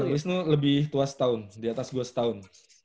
wisnu lebih tua setahun di atas dua setahun